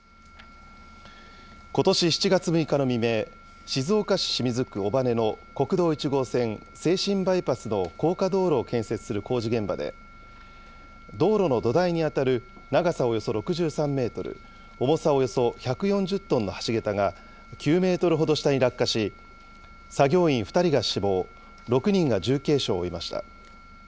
ことし７月６日の未明、静岡市清水区尾羽の国道１号線静清バイパスの高架道路を建設する工事現場で、道路の土台に当たる長さおよそ６３メートル、重さおよそ１４０トンの橋桁が９メートル下に落下し、作業員２人が死亡、６人が重軽傷を負いました。